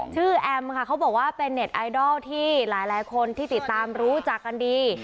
ชื่อแอมม์เค้าบอกว่าเป็นเน็ตไอดอลที่หลายคนติดตามรู้จักกันดี